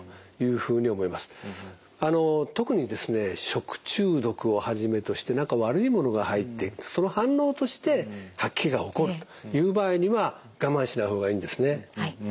食中毒をはじめとして何か悪いものが入っていってその反応として吐き気が起こるという場合には我慢しない方がいいんですね。